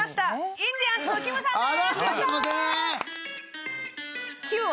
インディアンスのきむさんです。